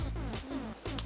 sakit hati tuh bikin haus